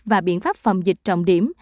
và biện pháp phòng dịch trọng điểm